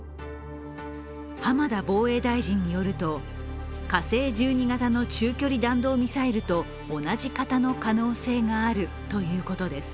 浜田防衛大臣によると火星１２型の中距離弾道ミサイルと同じ型の可能性があるということです。